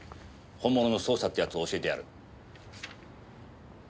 本物の捜査ってやつを教えてやる。